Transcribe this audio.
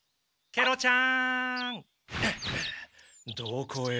ケロちゃん！